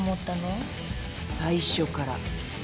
最初から。